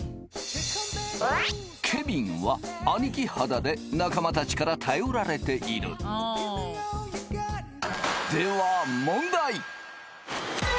ケビンは兄貴肌で仲間達から頼られているでは問題